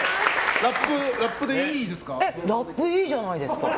ラップ、いいじゃないですか。